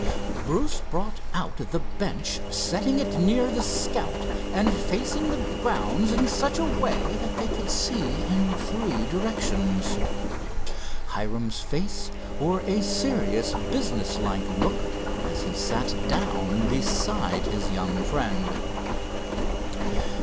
Bruce brought out the bench, setting it near the Scout, and facing the grounds in such a way that they could see in three directions. Hiram's face wore a serious, business like look as he sat down beside his young friend.